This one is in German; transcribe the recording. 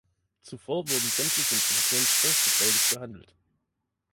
Zuvor wurden sämtliche Informationen streng vertraulich behandelt.